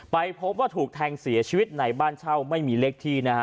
ไปพบว่าถูกแทงเสียชีวิตในบ้านเช่าไม่มีเลขที่นะฮะ